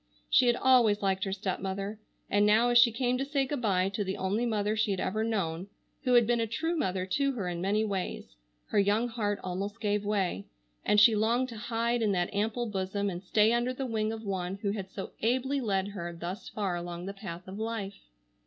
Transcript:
She had always liked her stepmother. And now, as she came to say good bye to the only mother she had ever known, who had been a true mother to her in many ways, her young heart almost gave way, and she longed to hide in that ample bosom and stay under the wing of one who had so ably led her thus far along the path of life.